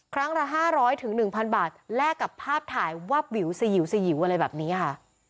ครั้งละห้าร้อยถึงหนึ่งพันบาทแลกกับภาพถ่ายวับวิวสี่หิวสี่หิวอะไรแบบนี้ค่ะ